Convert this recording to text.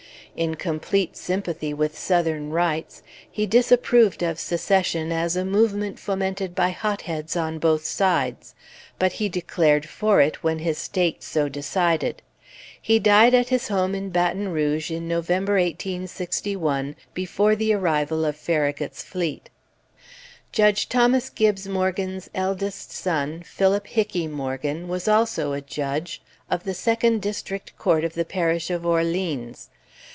In complete sympathy with Southern rights, he disapproved of Secession as a movement fomented by hotheads on both sides, but he declared for it when his State so decided. He died at his home in Baton Rouge in November, 1861, before the arrival of Farragut's fleet. Judge Thomas Gibbes Morgan's eldest son, Philip Hickey Morgan, was also a Judge, of the Second District Court of the Parish of Orleans.